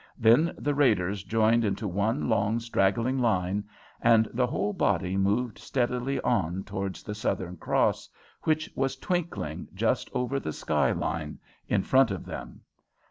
Then the raiders joined into one long, straggling line, and the whole body moved steadily on towards the Southern Cross, which was twinkling just over the skyline in front of them.